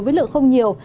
với lượng không nhiệt